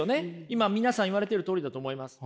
今皆さん言われてるとおりだと思います。